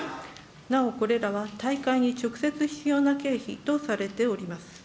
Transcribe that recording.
なおこれらは大会に直接必要な経費とされております。